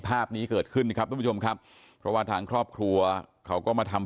ภาพนี้เกิดขึ้นนะครับทุกผู้ชมครับเพราะว่าทางครอบครัวเขาก็มาทำ